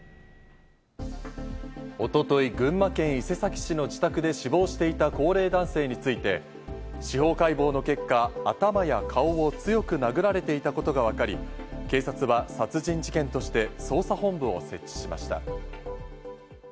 一昨日、群馬県伊勢崎市の自宅で死亡していた高齢男性について、司法解剖の結果、頭や顔を強く殴られていたことがわかり、警察は殺人事件として捜査本部を設置しました。